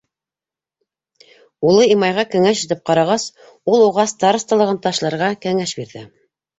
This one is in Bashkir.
Улы Имайға кәңәш итеп ҡарағас, ул уға старосталығын ташларға кәңәш бирҙе.